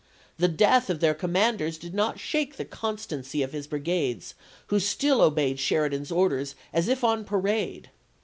The death of their commanders did not shake the constancy of his brigades who still obeyed Sher idan's orders as if on parade.